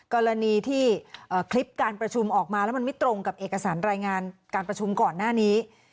กรณีที่คลิปการประชุมออกมาแล้วมันไม่ตรงกับเอกสารรายงานการประชุมก่อนหน้านี้